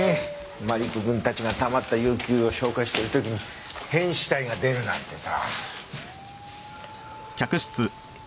マリコ君たちがたまった有給を消化してる時に変死体が出るなんてさ。